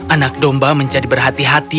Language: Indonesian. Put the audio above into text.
anak domba menjadi berhati hati